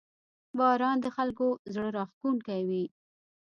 • باران د خلکو زړه راښکونکی وي.